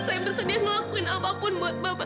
saya bersedia ngelakuin apapun buat bapak